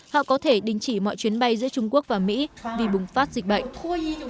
họ có thể đình chỉ mọi chuyến bay giữa trung quốc và mỹ vì bùng phát dịch bệnh